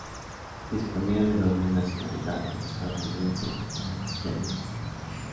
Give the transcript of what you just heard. Disponía de doble nacionalidad, estadounidense y yemení.